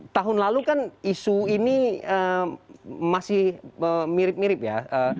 tahun lalu kan isu ini masih mirip mirip ya